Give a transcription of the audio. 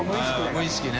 無意識ね。